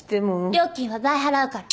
料金は倍払うから。